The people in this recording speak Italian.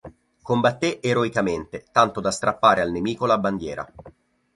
Combatté eroicamente tanto da strappare al nemico la bandiera.